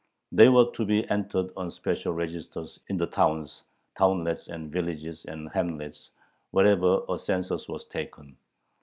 They were to be entered on special registers in the towns, townlets, villages, and hamlets, wherever a census was taken.